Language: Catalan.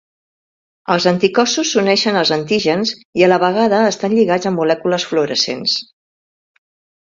Els anticossos s'uneixen als antígens i a la vegada estan lligats a molècules fluorescents.